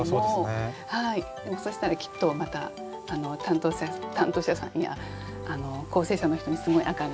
でもそしたらきっとまた担当者さんや校正者の人にすごい赤が。